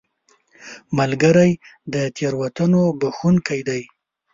ملګری د تېروتنو بخښونکی دی